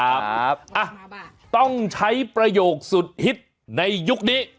ครับอ่ะต้องใช้ประโยคสุดฮิตในยุคนี้